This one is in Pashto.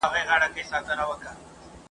یا غازیان یا شهیدان یو په دې دوه نومه نازیږو ..